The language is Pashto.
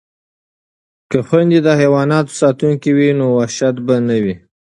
که خویندې د حیواناتو ساتونکې وي نو وحشت به نه وي.